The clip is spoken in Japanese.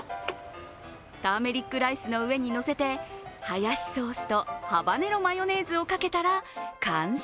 ターメリックライスの上にのせて、ハヤシソースとハバネロマヨネーズをかけたら完成。